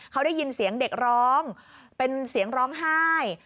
เขาได้ยินเสียงเด็กร้องเป็นเสียงร้องไห้